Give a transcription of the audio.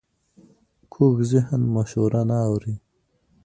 کوږ ذهن مشوره نه اوري